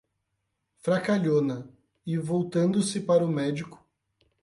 Fracalhona! E voltando-se para o médico: